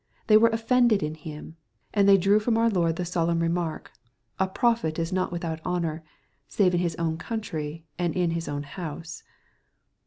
" They were offended in him." And they drew from our Lord the solemn remark, " A prophet is not without honor, save in his own country, and in his own house."